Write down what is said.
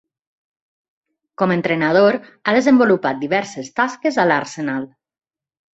Com entrenador ha desenvolupat diverses tasques a l'Arsenal.